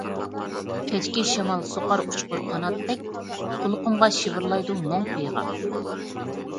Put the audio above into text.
كەچكى شامال سوقار ئۇچقۇر قاناتتەك، قۇلىقىمغا شىۋىرلايدۇ مۇڭ پىغان.